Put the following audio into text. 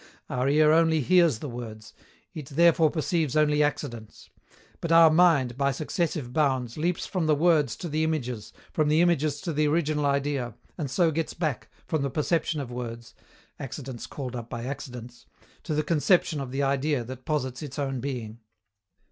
Our ear only hears the words: it therefore perceives only accidents. But our mind, by successive bounds, leaps from the words to the images, from the images to the original idea, and so gets back, from the perception of words accidents called up by accidents to the conception of the Idea that posits its own being.